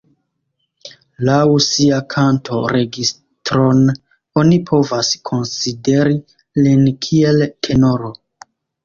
Laŭ sia kanto-registron, oni povas konsideri lin kiel tenoro.